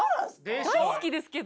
大好きですけど。